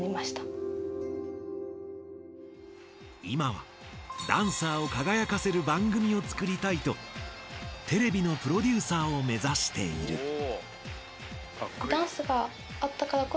いまはダンサーを輝かせる番組をつくりたいとテレビのプロデューサーを目指している。